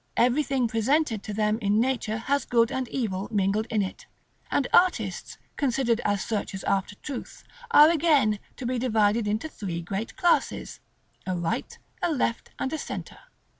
Everything presented to them in nature has good and evil mingled in it: and artists, considered as searchers after truth, are again to be divided into three great classes, a right, a left, and a centre.